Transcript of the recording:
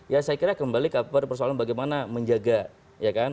ya saya kira kembali ke persoalan bagaimana menjaga ya kan